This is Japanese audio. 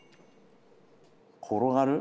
転がる？